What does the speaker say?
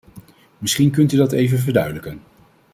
Misschien kunt u dat even verduidelijken.